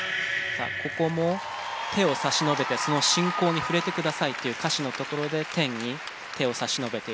ここも「手を差し伸べてその信仰に触れてください」という歌詞のところで天に手を差し伸べているわけです。